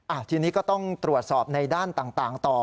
ทีนี้ก็ต้องตรวจสอบในด้านต่างต่อ